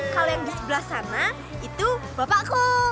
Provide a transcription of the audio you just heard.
kalau yang di sebelah sana itu bapakku